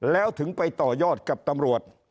แล้วถึงไปต่อยอดกับตำรวจ